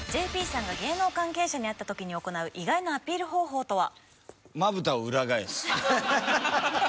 ＪＰさんが芸能関係者に会った時に行う意外なアピール方法とは？